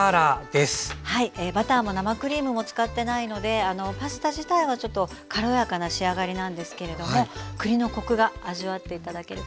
バターも生クリームも使ってないのでパスタ自体はちょっと軽やかな仕上がりなんですけれども栗のコクが味わって頂けるかと思います。